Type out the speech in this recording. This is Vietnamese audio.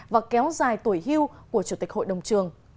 và kéo dài tuổi hưu của chủ tịch hội đồng trường